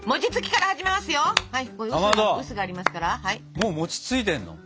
もう餅ついてるの？